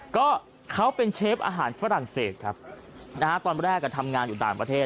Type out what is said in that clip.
ก็เขาเป็นเชฟอาหารฝรั่งเศสครับนะฮะตอนแรกอ่ะทำงานอยู่ต่างประเทศ